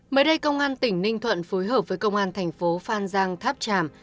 mới đây công an tỉnh ninh thuận phối hợp với công an thành phố phan giang tháp tràm